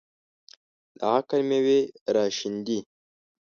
د عقل مېوې راشنېدې.